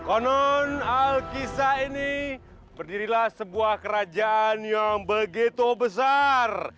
konon alkisah ini berdirilah sebuah kerajaan yang begitu besar